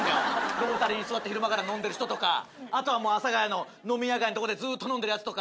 ロータリーに座って昼間から飲んでる人とかあとは阿佐ヶ谷の飲み屋街のとこでずっと飲んでるやつとか。